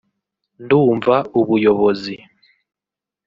“Ndumva ubuyobozi